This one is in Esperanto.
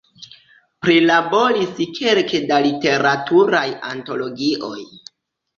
Prilaboris kelke da literaturaj antologioj.